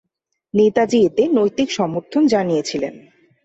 নেতাজী এতে নৈতিক সমর্থন জানিয়েছিলেন।